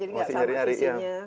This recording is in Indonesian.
jadi gak sama isinya